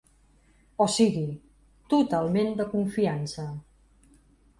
O sigui, totalment de confiança.